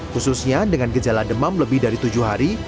khususnya dengan gejala demam lebih dari tujuh hari